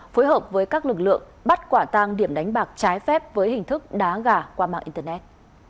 phối hợp với các lực lượng bắt quả tang điểm đánh bạc trái phép với hình thức đá gà qua mạng internet